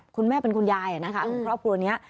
คุณแม่เป็นคุณยายครอบครัวนี้